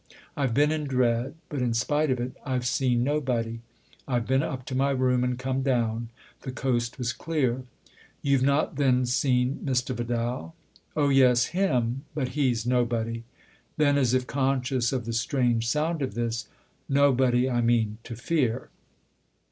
I've been in dread, but in spite of it I've seen nobody. I've been up to my room and come down. The coast was clear." " You've not then seen Mr. Vidal ?"" Oh yes him. But he's nobody." Then as if conscious of the strange sound of this :" Nobody, I mean, to fear."